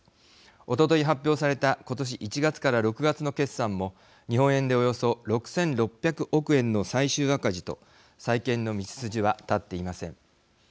おととい発表された今年１月から６月の決算も日本円でおよそ６，６００億円の最終赤字と再建の道筋は立っていません。